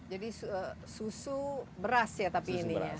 jadi susu beras ya tapi ini